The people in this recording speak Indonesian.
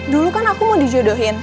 dulu kan aku mau dijodohin